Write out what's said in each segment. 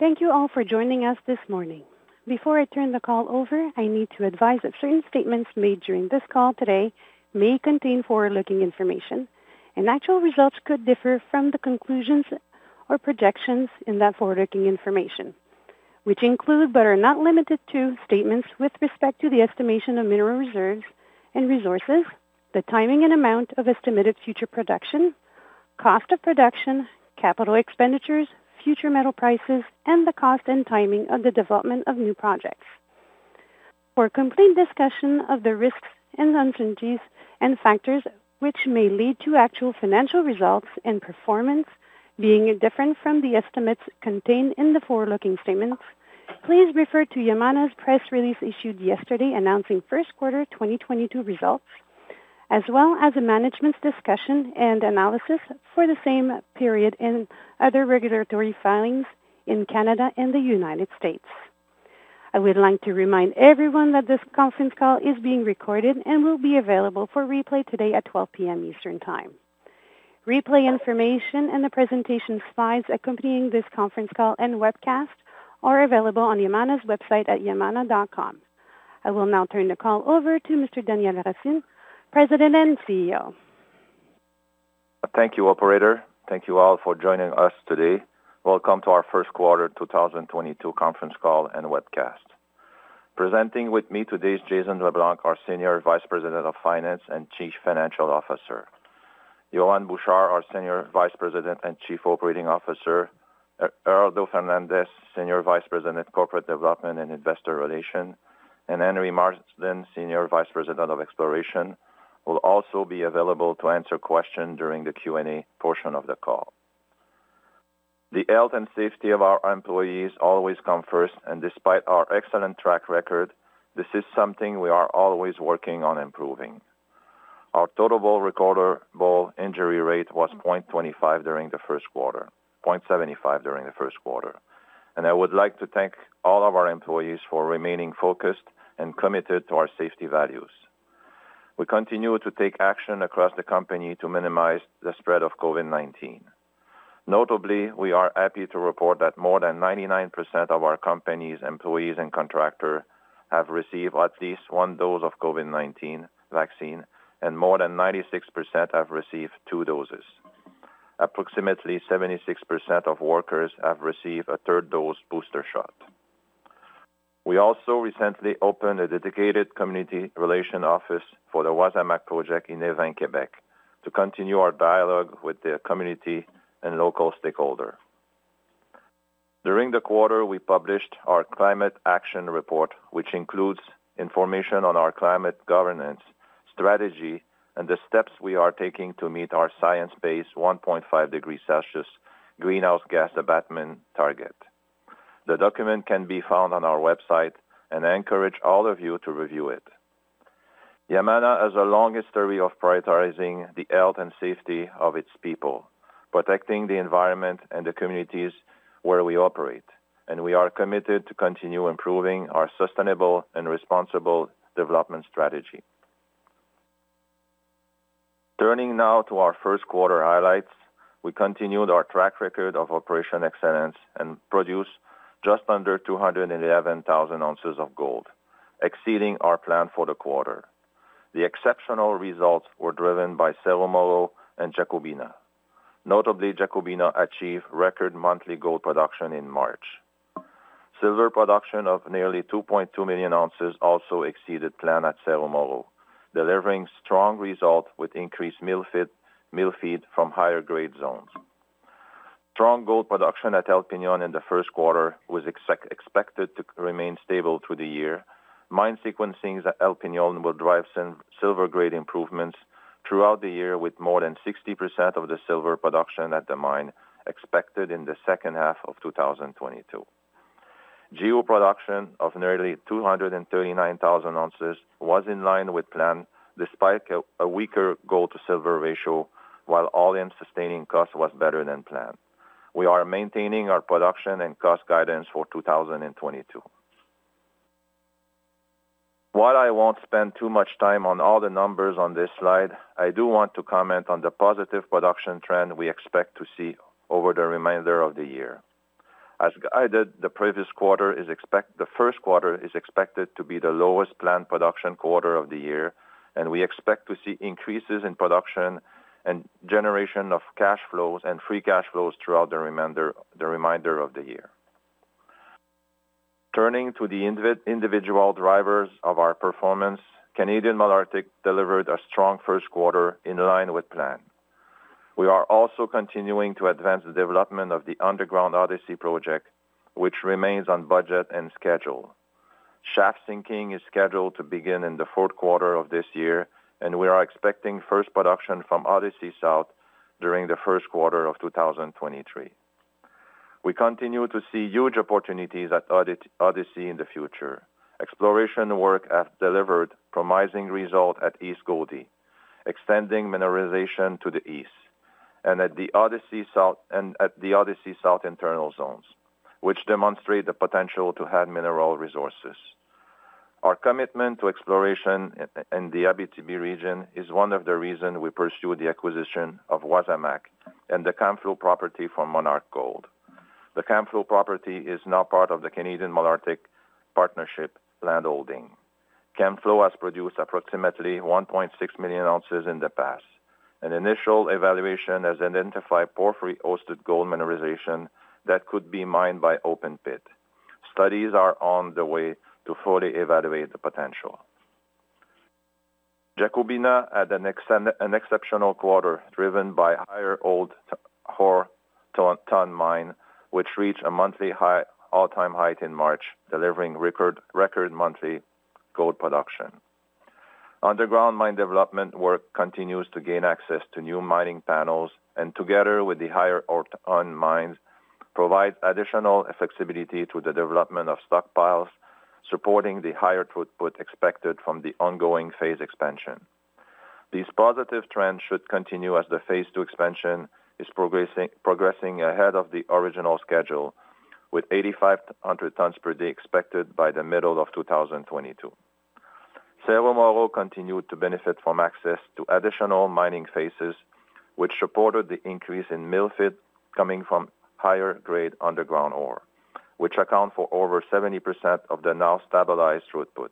Thank you all for joining us this morning. Before I turn the call over, I need to advise that certain statements made during this call today may contain forward-looking information, and actual results could differ from the conclusions or projections in that forward-looking information, which include, but are not limited to, statements with respect to the estimation of mineral reserves and resources, the timing and amount of estimated future production, cost of production, capital expenditures, future metal prices, and the cost and timing of the development of new projects. For a complete discussion of the risks and uncertainties and factors which may lead to actual financial results and performance being different from the estimates contained in the forward-looking statements, please refer to Yamana's press release issued yesterday announcing first quarter 2022 results, as well as management's discussion and analysis for the same period and other regulatory filings in Canada and the United States. I would like to remind everyone that this conference call is being recorded and will be available for replay today at 12:00 P.M. Eastern Time. Replay information and the presentation slides accompanying this conference call and webcast are available on Yamana's website at yamana.com. I will now turn the call over to Mr. Daniel Racine, President and CEO. Thank you, operator. Thank you all for joining us today. Welcome to our first quarter 2022 conference call and webcast. Presenting with me today is Jason LeBlanc, our Senior Vice President of Finance and Chief Financial Officer. Yohann Bouchard, our Senior Vice President and Chief Operating Officer. Gerardo Fernandez, Senior Vice President, Corporate Development and Investor Relations, and Henry Marsden, Senior Vice President of Exploration, will also be available to answer questions during the Q&A portion of the call. The health and safety of our employees always come first, and despite our excellent track record, this is something we are always working on improving. Our total recordable injury rate was 0.75 during the first quarter. I would like to thank all of our employees for remaining focused and committed to our safety values. We continue to take action across the company to minimize the spread of COVID-19. Notably, we are happy to report that more than 99% of our company's employees and contractors have received at least one dose of COVID-19 vaccine, and more than 96% have received two doses. Approximately 76% of workers have received a third dose booster shot. We also recently opened a dedicated community relations office for the Wasamac project in Évain, Quebec to continue our dialogue with the community and local stakeholders. During the quarter, we published our climate action report, which includes information on our climate governance strategy and the steps we are taking to meet our science-based 1.5-degree Celsius greenhouse gas abatement target. The document can be found on our website, and I encourage all of you to review it. Yamana has a long history of prioritizing the health and safety of its people, protecting the environment and the communities where we operate, and we are committed to continue improving our sustainable and responsible development strategy. Turning now to our first quarter highlights. We continued our track record of operational excellence and produced just under 211,000 ounces of gold, exceeding our plan for the quarter. The exceptional results were driven by Cerro Moro and Jacobina. Notably, Jacobina achieved record monthly gold production in March. Silver production of nearly 2.2 million ounces also exceeded plan at Cerro Moro, delivering strong result with increased mill feed from higher grade zones. Strong gold production at El Peñón in the first quarter was expected to remain stable through the year. Mine sequencing at El Peñón will drive silver grade improvements throughout the year, with more than 60% of the silver production at the mine expected in the second half of 2022. GEO production of nearly 239,000 ounces was in line with plan, despite a weaker gold to silver ratio, while all-in sustaining cost was better than planned. We are maintaining our production and cost guidance for 2022. While I won't spend too much time on all the numbers on this slide, I do want to comment on the positive production trend we expect to see over the remainder of the year. As guided, the first quarter is expected to be the lowest planned production quarter of the year, and we expect to see increases in production and generation of cash flows and free cash flows throughout the remainder of the year. Turning to the individual drivers of our performance, Canadian Malartic delivered a strong first quarter in line with plan. We are also continuing to advance the development of the underground Odyssey project, which remains on budget and schedule. Shaft sinking is scheduled to begin in the fourth quarter of this year, and we are expecting first production from Odyssey South during the first quarter of 2023. We continue to see huge opportunities at Odyssey in the future. Exploration work has delivered promising result at East Goldie, extending mineralization to the east and at the Odyssey South internal zones, which demonstrate the potential to have mineral resources. Our commitment to exploration in the Abitibi region is one of the reason we pursue the acquisition of Wasamac and the Camflo property from Monarch Gold. The Camflo property is now part of the Canadian Malartic Partnership landholding. Camflo has produced approximately 1.6 million ounces in the past. An initial evaluation has identified porphyry-hosted gold mineralization that could be mined by open pit. Studies are on the way to fully evaluate the potential. Jacobina had an exceptional quarter driven by higher gold ore tonnes mined, which reached a monthly all-time high in March, delivering record monthly gold production. Underground mine development work continues to gain access to new mining panels, and together with the higher ore ton mined, provides additional flexibility to the development of stockpiles, supporting the higher throughput expected from the ongoing phase expansion. These positive trends should continue as the phase two expansion is progressing ahead of the original schedule, with 8,500 tons per day expected by the middle of 2022. Cerro Moro continued to benefit from access to additional mining phases, which supported the increase in mill feed coming from higher grade underground ore, which accounts for over 70% of the now stabilized throughput.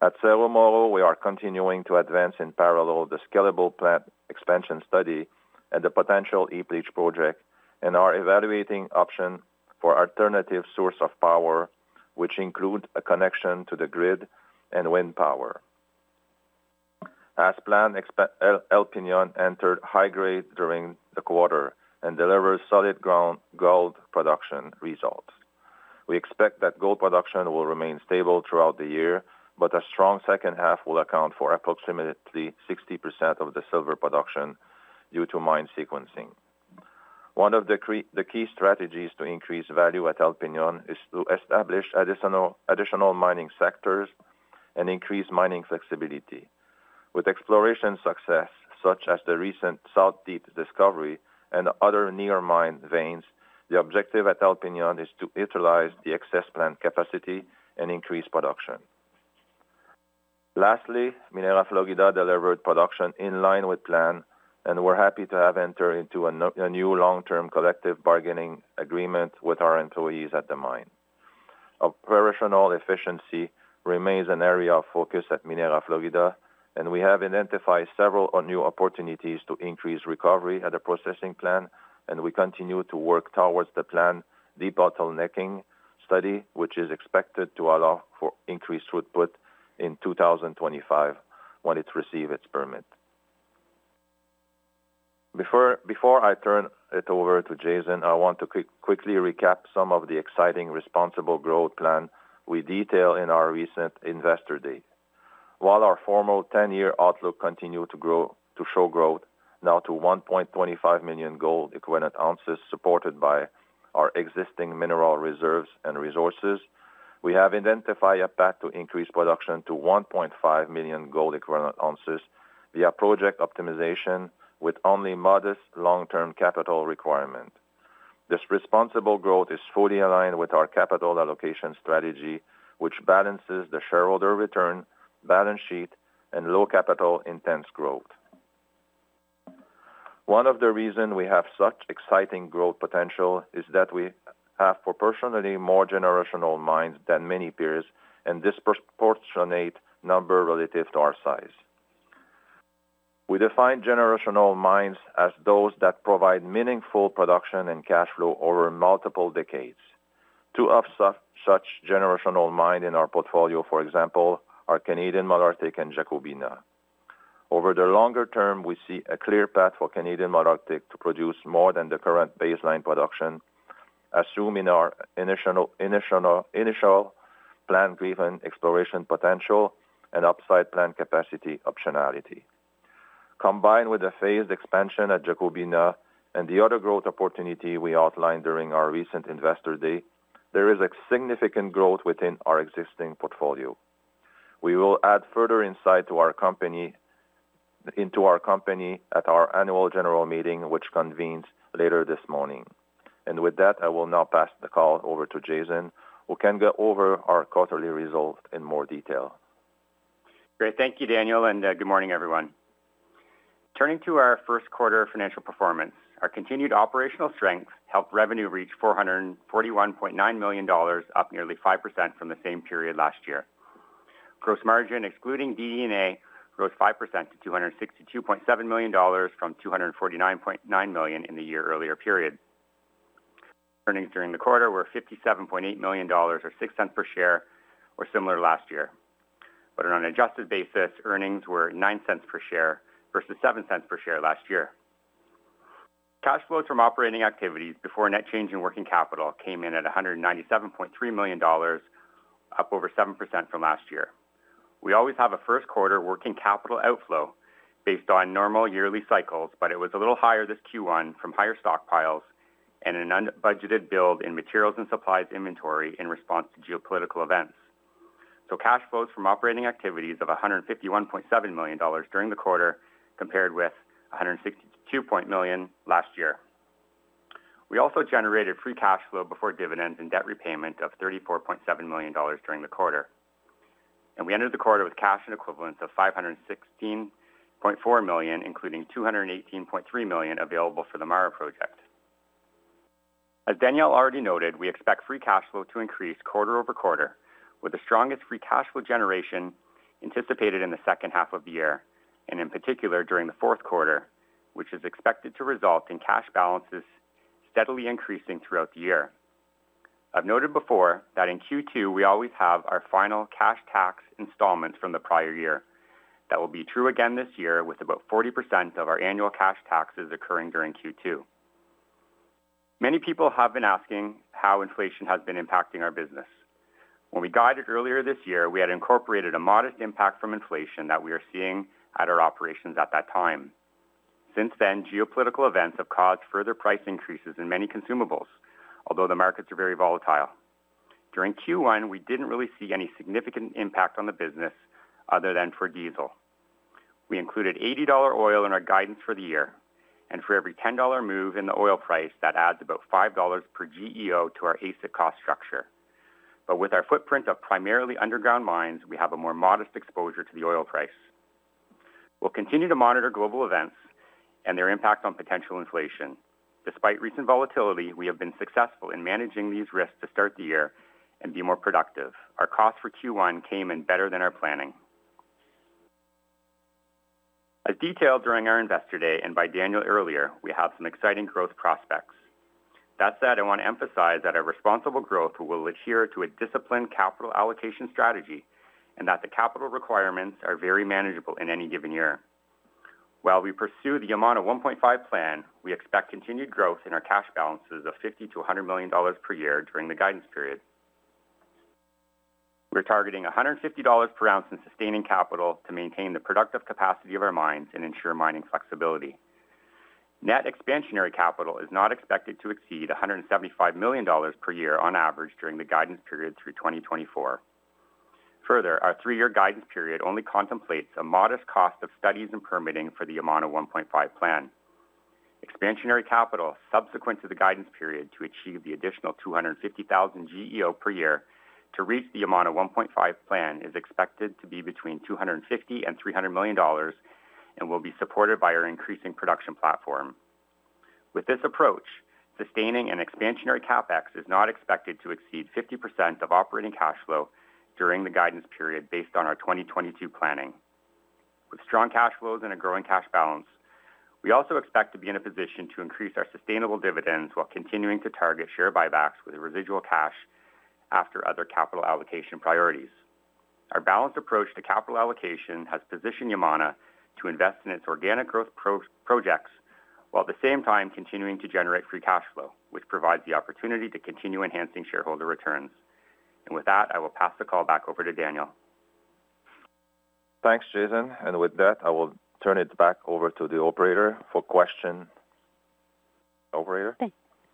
At Cerro Moro, we are continuing to advance in parallel the scalable plant expansion study and the potential heap leach project and are evaluating options for alternative sources of power, which includes a connection to the grid and wind power. As planned, El Peñón entered high grade during the quarter and delivered solid gold production results. We expect that gold production will remain stable throughout the year, but a strong second half will account for approximately 60% of the silver production due to mine sequencing. One of the key strategies to increase value at El Peñón is to establish additional mining sectors and increase mining flexibility. With exploration success, such as the recent South Deep discovery and other near mine veins, the objective at El Peñón is to utilize the excess plant capacity and increase production. Lastly, Minera Florida delivered production in line with plan, and we're happy to have entered into a new long-term collective bargaining agreement with our employees at the mine. Operational efficiency remains an area of focus at Minera Florida, and we have identified several new opportunities to increase recovery at a processing plant, and we continue to work towards the plant debottlenecking study, which is expected to allow for increased throughput in 2025 when it receive its permit. Before I turn it over to Jason, I want to quickly recap some of the exciting responsible growth plan we detailed in our recent Investor Day. While our formal ten-year outlook continued to show growth, now to 1.25 million gold equivalent ounces supported by our existing mineral reserves and resources, we have identified a path to increase production to 1.5 million gold equivalent ounces via project optimization with only modest long-term capital requirement. This responsible growth is fully aligned with our capital allocation strategy, which balances the shareholder return, balance sheet, and low capital intense growth. One of the reasons we have such exciting growth potential is that we have proportionally more generational mines than many peers and disproportionate number relative to our size. We define generational mines as those that provide meaningful production and cash flow over multiple decades. Two of such generational mines in our portfolio, for example, are Canadian Malartic and Jacobina. Over the longer term, we see a clear path for Canadian Malartic to produce more than the current baseline production, assuming our initial plan-driven exploration potential and upside plan capacity optionality. Combined with the phased expansion at Jacobina and the other growth opportunity we outlined during our recent Investor Day, there is a significant growth within our existing portfolio. We will add further insight into our company at our annual general meeting, which convenes later this morning. With that, I will now pass the call over to Jason, who can go over our quarterly results in more detail. Great. Thank you, Daniel, and good morning everyone?. Turning to our first quarter financial performance, our continued operational strength helped revenue reach $441.9 million, up nearly 5% from the same period last year. Gross margin, excluding D&A, grew 5% to $262.7 million from $249.9 million in the year earlier period. Earnings during the quarter were $57.8 million or $0.06 per share, or similar last year. On an adjusted basis, earnings were $0.09 per share versus $0.07 per share last year. Cash flows from operating activities before net change in working capital came in at $197.3 million, up over 7% from last year. We always have a first quarter working capital outflow based on normal yearly cycles, but it was a little higher this Q1 from higher stockpiles and an unbudgeted build in materials and supplies inventory in response to geopolitical events. Cash flows from operating activities of $151.7 million during the quarter, compared with $162.0 million last year. We generated free cash flow before dividends and debt repayment of $34.7 million during the quarter. We entered the quarter with cash and equivalents of $516.4 million, including $218.3 million available for the MARA project. As Daniel already noted, we expect free cash flow to increase quarter-over-quarter, with the strongest free cash flow generation anticipated in the second half of the year and in particular during the fourth quarter, which is expected to result in cash balances steadily increasing throughout the year. I've noted before that in Q2, we always have our final cash tax installments from the prior year. That will be true again this year, with about 40% of our annual cash taxes occurring during Q2. Many people have been asking how inflation has been impacting our business. When we guided earlier this year, we had incorporated a modest impact from inflation that we are seeing at our operations at that time. Since then, geopolitical events have caused further price increases in many consumables, although the markets are very volatile. During Q1, we didn't really see any significant impact on the business other than for diesel. We included $80 oil in our guidance for the year, and for every $10 move in the oil price, that adds about $5 per GEO to our AISC cost structure. With our footprint of primarily underground mines, we have a more modest exposure to the oil price. We'll continue to monitor global events and their impact on potential inflation. Despite recent volatility, we have been successful in managing these risks to start the year and be more productive. Our cost for Q1 came in better than our planning. As detailed during our investor day and by Daniel earlier, we have some exciting growth prospects. That said, I want to emphasize that our responsible growth will adhere to a disciplined capital allocation strategy and that the capital requirements are very manageable in any given year. While we pursue the Yamana 1.5 Plan, we expect continued growth in our cash balances of $50 million-$100 million per year during the guidance period. We're targeting $150 per ounce in sustaining capital to maintain the productive capacity of our mines and ensure mining flexibility. Net expansionary capital is not expected to exceed $175 million per year on average during the guidance period through 2024. Further, our three-year guidance period only contemplates a modest cost of studies and permitting for the Yamana 1.5 Plan. Expansionary capital subsequent to the guidance period to achieve the additional 250,000 GEO per year to reach the Yamana 1.5 Plan is expected to be between $250 million and $300 million and will be supported by our increasing production platform. With this approach, sustaining an expansionary CapEx is not expected to exceed 50% of operating cash flow during the guidance period based on our 2022 planning. With strong cash flows and a growing cash balance, we also expect to be in a position to increase our sustainable dividends while continuing to target share buybacks with residual cash after other capital allocation priorities. Our balanced approach to capital allocation has positioned Yamana to invest in its organic growth pro-projects, while at the same time continuing to generate free cash flow, which provides the opportunity to continue enhancing shareholder returns. With that, I will pass the call back over to Daniel. Thanks, Jason. With that, I will turn it back over to the operator for question. Operator?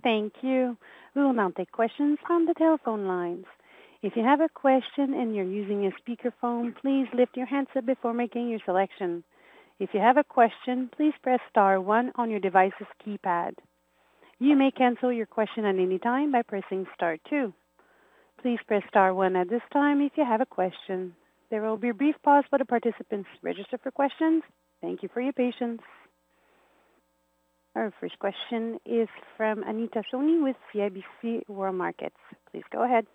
Thank you. We will now take questions from the telephone lines. If you have a question and you're using a speaker phone, please lift your handset before making your selection. If you have a question, please press star one on your device's keypad. You may cancel your question at any time by pressing star two. Please press star one at this time if you have a question. There will be a brief pause for the participants registered for questions. Thank you for your patience. Our first question is from Anita Soni with CIBC World Markets. Please go ahead.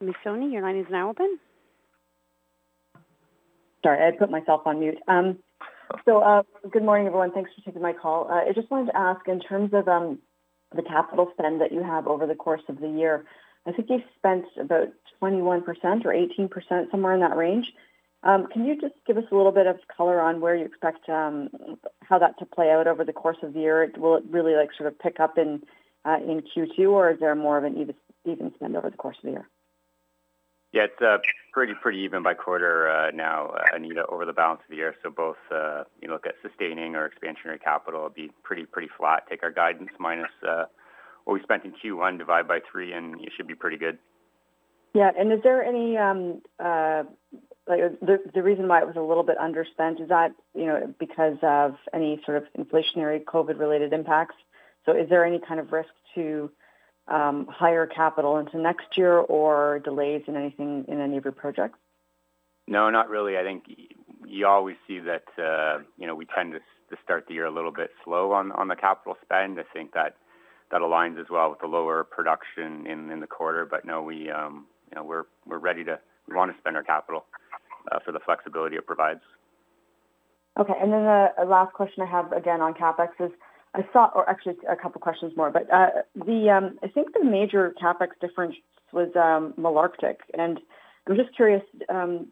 Ms. Soni, your line is now open. Sorry, I put myself on mute. Good morning, everyone. Thanks for taking my call. I just wanted to ask in terms of the capital spend that you have over the course of the year. I think you've spent about 21% or 18%, somewhere in that range. Can you just give us a little bit of color on where you expect how that to play out over the course of the year? Will it really, like, sort of pick up in Q2, or is there more of an even spend over the course of the year? Yeah, it's pretty even by quarter now, Anita, over the balance of the year. Both, you look at sustaining or expansionary capital, it'll be pretty flat. Take our guidance minus what we spent in Q1, divide by three, and you should be pretty good. Yeah. Is there any reason why it was a little bit underspent? Is that, you know, because of any sort of inflationary COVID-related impacts? Is there any kind of risk to higher capital into next year or delays in anything in any of your projects? No, not really. I think you always see that, you know, we tend to start the year a little bit slow on the capital spend. I think that aligns as well with the lower production in the quarter. No, you know, we wanna spend our capital for the flexibility it provides. Okay. Then the last question I have, again, on CapEx is actually a couple of questions more. I think the major CapEx difference was Malartic. I'm just curious, will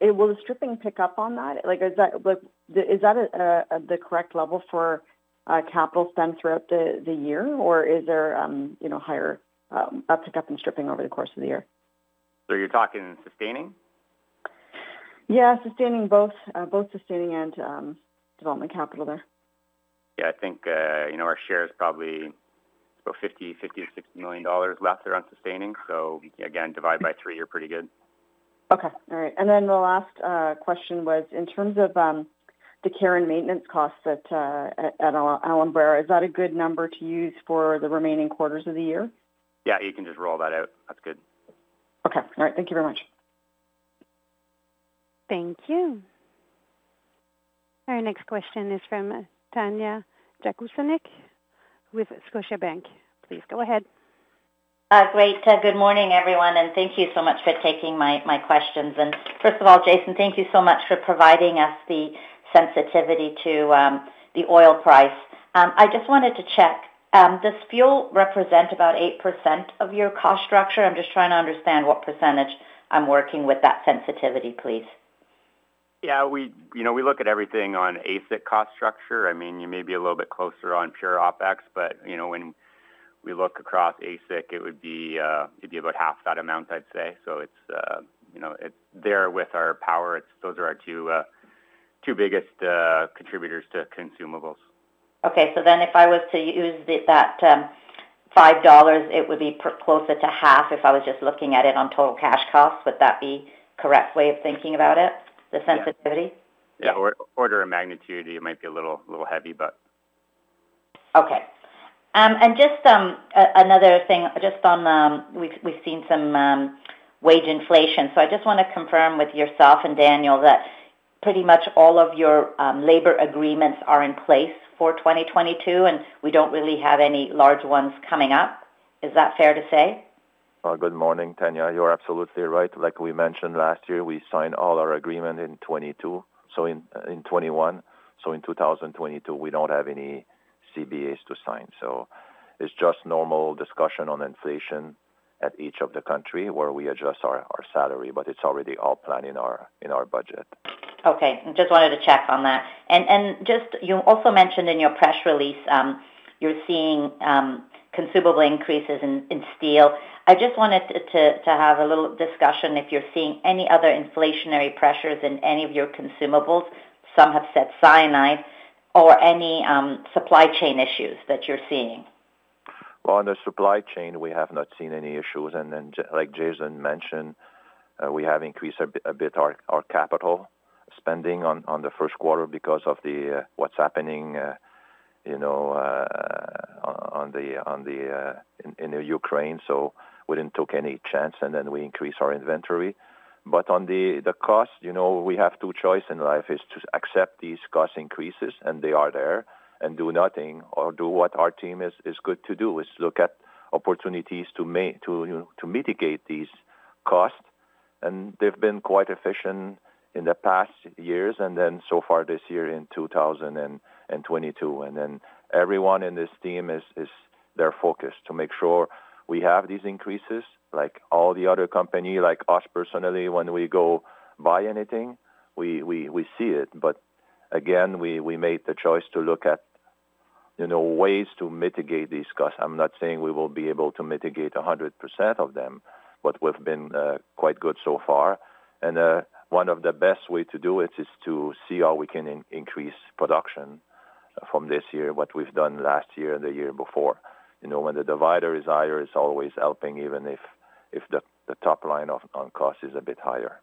the stripping pick up on that? Like, is that the correct level for capital spend throughout the year, or is there, you know, higher, a pickup in stripping over the course of the year? You're talking sustaining? Yeah, both sustaining and development capital there. Yeah, I think, you know, our share is probably about $50-$60 million left around sustaining. Again, divide by three, you're pretty good. The last question was in terms of the care and maintenance costs at Alumbrera, is that a good number to use for the remaining quarters of the year? Yeah. You can just roll that out. That's good. Okay. All right. Thank you very much. Thank you. Our next question is from Tanya Jakusconek with Scotiabank, please go ahead. Good morning, everyone, and thank you so much for taking my questions. First of all, Jason, thank you so much for providing us the sensitivity to the oil price. I just wanted to check, does fuel represent about 8% of your cost structure? I'm just trying to understand what percentage I'm working with that sensitivity, please. Yeah, we, you know, we look at everything on AISC cost structure. I mean, you may be a little bit closer on pure OpEx, but, you know, when we look across AISC, it would be, it'd be about half that amount, I'd say. It's, you know, it's there with our power. Those are our two biggest contributors to consumables. Okay. If I was to use the $5, it would be closer to half if I was just looking at it on total cash costs, would that be correct way of thinking about it, the sensitivity? Yeah. Order of magnitude, it might be a little heavy, but. Okay. Another thing, just on, we've seen some wage inflation. I just wanna confirm with yourself and Daniel that pretty much all of your labor agreements are in place for 2022, and we don't really have any large ones coming up. Is that fair to say? Good morning, Tanya. You're absolutely right. Like we mentioned last year, we signed all our agreement in 2022, so in 2021. In 2022, we don't have any CBAs to sign. It's just normal discussion on inflation at each of the countries where we adjust our salary, but it's already all planned in our budget. Okay. Just wanted to check on that. Just, you also mentioned in your press release, you're seeing consumable increases in steel. I just wanted to have a little discussion if you're seeing any other inflationary pressures in any of your consumables, some have said cyanide or any supply chain issues that you're seeing. Well, on the supply chain, we have not seen any issues. Like Jason mentioned, we have increased a bit our capital spending on the first quarter because of what's happening, you know, in Ukraine. We didn't took any chance, and then we increased our inventory. On the cost, you know, we have two choice in life, is to accept these cost increases, and they are there and do nothing or do what our team is good to do, is look at opportunities to mitigate these costs. They've been quite efficient in the past years so far this year in 2022. Everyone in this team, they're focused to make sure we have these increases like all the other companies, like us personally, when we go buy anything, we see it. But again, we made the choice to look at, you know, ways to mitigate these costs. I'm not saying we will be able to mitigate 100% of them, but we've been quite good so far. One of the best ways to do it is to see how we can increase production from this year, what we've done last year and the year before. You know, when the denominator is higher, it's always helping, even if the top line on cost is a bit higher.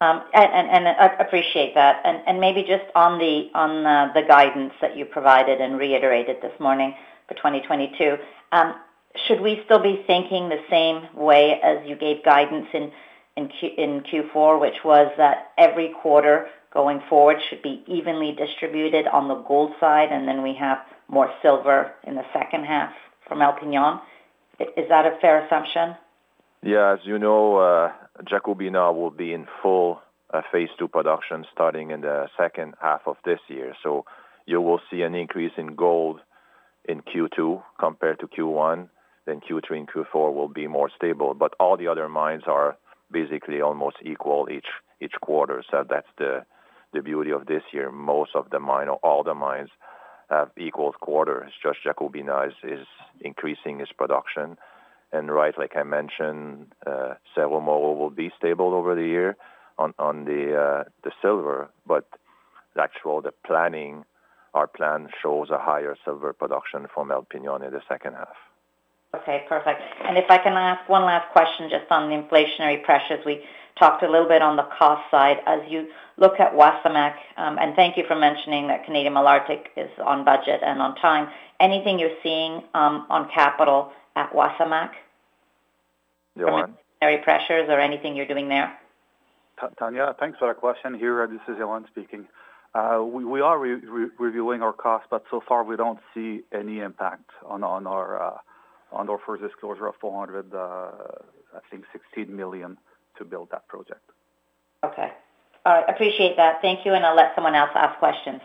I appreciate that. Maybe just on the guidance that you provided and reiterated this morning for 2022, should we still be thinking the same way as you gave guidance in Q4, which was that every quarter going forward should be evenly distributed on the gold side, and then we have more silver in the second half from El Peñón? Is that a fair assumption? Yeah. As you know, Jacobina will be in full phase two production starting in the second half of this year. You will see an increase in gold in Q2 compared to Q1, then Q3 and Q4 will be more stable. All the other mines are basically almost equal each quarter. That's the beauty of this year. Most of the mine or all the mines have equal quarters. Just Jacobina is increasing its production. Right, like I mentioned, Cerro Moro will be stable over the year on the silver. Actually, the planning, our plan shows a higher silver production from El Peñón in the second half. Okay, perfect. If I can ask one last question just on the inflationary pressures. We talked a little bit on the cost side. As you look at Wasamac, and thank you for mentioning that Canadian Malartic is on budget and on time. Anything you're seeing, on capital at Wasamac? Yohann? Any pressures or anything you're doing there? Tanya, thanks for the question. This is Yohann speaking. We are reviewing our costs, but so far, we don't see any impact on our first disclosure of $416 million to build that project. Okay. All right. Appreciate that. Thank you, and I'll let someone else ask questions.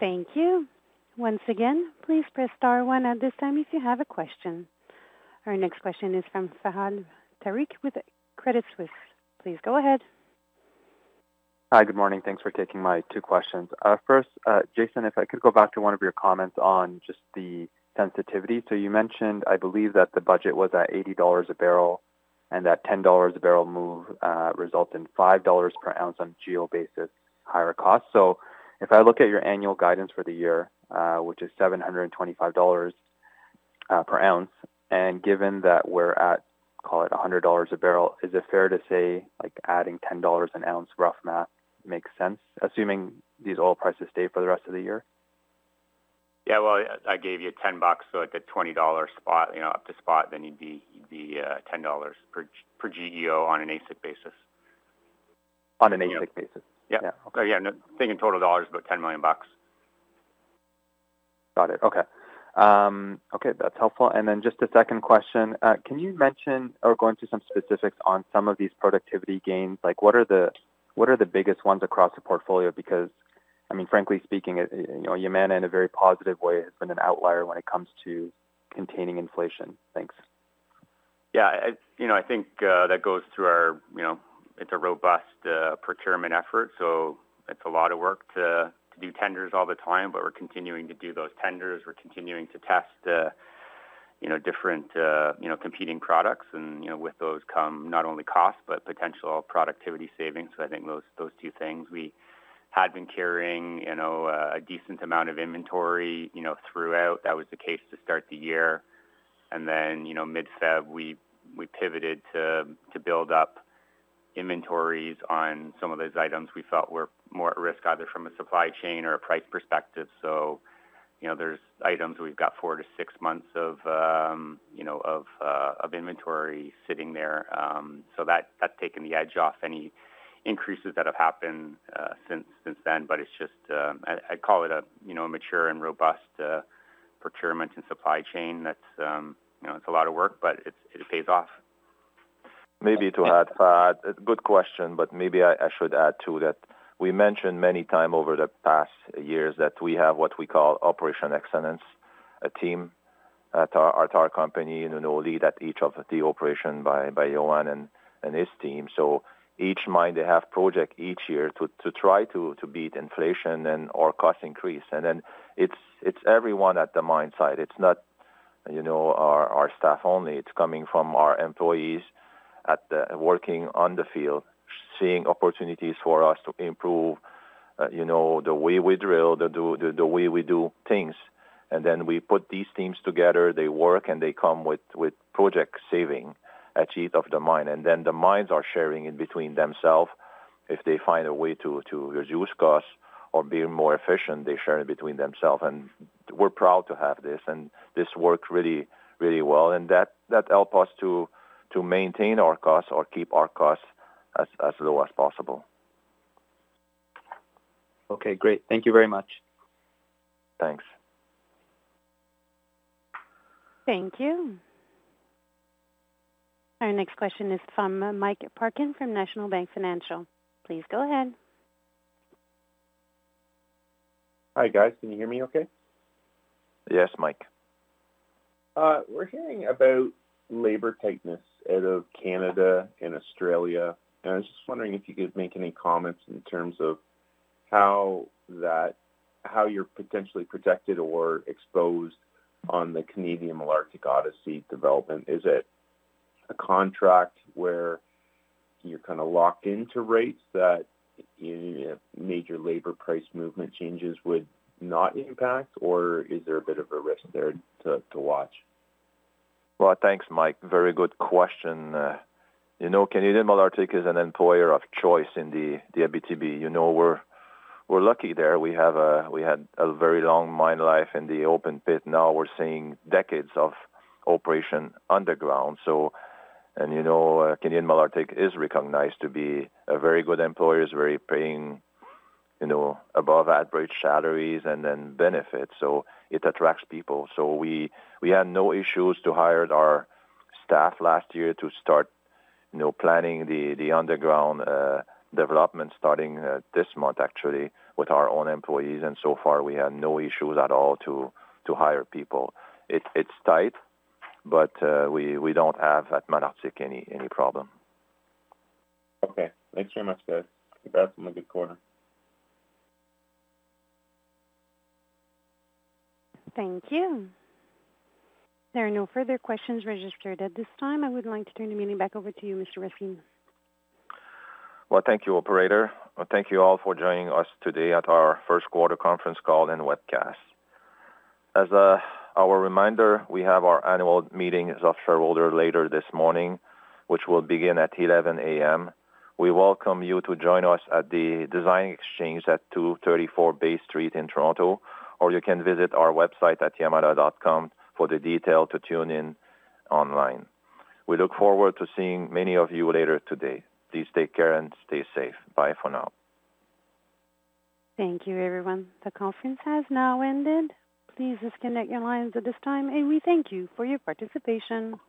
Thank you. Once again, please press star one at this time if you have a question. Our next question is from Fahad Tariq with Credit Suisse, please go ahead. Hi. Good morning. Thanks for taking my two questions. First, Jason, if I could go back to one of your comments on just the sensitivity. You mentioned, I believe, that the budget was at $80 a barrel and that $10 a barrel move result in $5 per ounce on GEO basis, higher cost. If I look at your annual guidance for the year, which is $725 per ounce, and given that we're at, call it $100 a barrel, is it fair to say, like adding $10 an ounce rough math makes sense, assuming these oil prices stay for the rest of the year? Yeah. Well, I gave you $10, so at the $20 spot, you know, up to spot, then you'd be $10 per GEO on an AISC basis. On an AISC basis? Yeah. Yeah. Okay. Yeah. No, thinking total dollars, about $10 million bucks. Got it. Okay. Okay, that's helpful. Just a second question. Can you mention or go into some specifics on some of these productivity gains? Like, what are the biggest ones across the portfolio? Because, I mean, frankly speaking, you know, Yamana in a very positive way has been an outlier when it comes to containing inflation. Thanks. Yeah. You know, I think that goes to our, you know, it's a robust procurement effort, so it's a lot of work to do tenders all the time, but we're continuing to do those tenders. We're continuing to test, you know, different competing products. You know, with those come not only cost, but potential productivity savings. I think those two things. We had been carrying, you know, a decent amount of inventory, you know, throughout. That was the case to start the year. You know, mid-February, we pivoted to build up inventories on some of those items we felt were more at risk, either from a supply chain or a price perspective. You know, there's items we've got four to six months of inventory sitting there. That's taken the edge off any increases that have happened since then. It's just, I call it a, you know, a mature and robust procurement and supply chain that's, you know, it's a lot of work, but it pays off. Maybe to add, good question, but maybe I should add, too, that we mentioned many times over the past years that we have what we call operational excellence, a team at our company and a lead at each of the operations by Yohann Bouchard and his team. Each mine, they have projects each year to try to beat inflation and/or cost increases. Then it's everyone at the mine site. It's not, you know, our staff only. It's coming from our employees working on the field, seeing opportunities for us to improve, you know, the way we drill, the way we do things. Then we put these teams together, they work, and they come with projects saving at each of the mines. Then the mines are sharing in between themselves. If they find a way to reduce costs or be more efficient, they share it between themselves. We're proud to have this, and this worked really well. That help us to maintain our costs or keep our costs as low as possible. Okay, great. Thank you very much. Thanks. Thank you. Our next question is from Mike Parkin from National Bank Financial, please go ahead. Hi, guys. Can you hear me okay? Yes, Mike. We're hearing about labor tightness out of Canada and Australia, and I was just wondering if you could make any comments in terms of how you're potentially protected or exposed on the Canadian Malartic Odyssey development. Is it a contract where you're kinda locked into rates that major labor price movement changes would not impact, or is there a bit of a risk there to watch? Well, thanks, Mike. Very good question. You know, Canadian Malartic is an employer of choice in the Abitibi. You know, we're lucky there. We had a very long mine life in the open pit. Now we're seeing decades of operation underground. Canadian Malartic is recognized to be a very good employer, is very paying, you know, above average salaries and then benefits, so it attracts people. We had no issues to hire our staff last year to start, you know, planning the underground development starting this month, actually, with our own employees. So far we have no issues at all to hire people. It's tight, but we don't have, at Malartic, any problem. Okay. Thanks very much, guys. Congrats on a good quarter. Thank you. There are no further questions registered at this time. I would like to turn the meeting back over to you, Mr. Racine. Well, thank you, operator. Thank you all for joining us today at our first quarter conference call and webcast. As our reminder, we have our annual meeting of shareholders later this morning, which will begin at 11:00 A.M. We welcome you to join us at the Design Exchange at 234 Bay Street in Toronto, or you can visit our website at yamana.com for the details to tune in online. We look forward to seeing many of you later today. Please take care and stay safe. Bye for now. Thank you, everyone. The conference has now ended. Please disconnect your lines at this time, and we thank you for your participation.